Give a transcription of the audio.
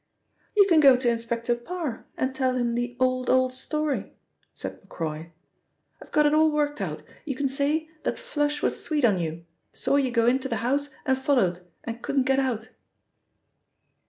"You can go to Inspector Parr and tell him the old, old story," said Macroy. "I've got it all worked out; you can say that 'Flush' was sweet on you, saw you go into the house and followed, and couldn't get out."